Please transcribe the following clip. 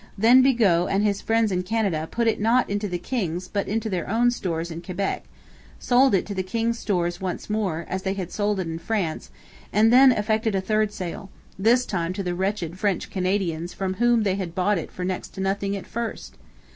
Then Bigot and his friends in Canada put it not into the king's but into their own stores in Quebec, sold it to the king's stores once more, as they had sold it in France, and then effected a third sale, this time to the wretched French Canadians from whom they had bought it for next to nothing at first.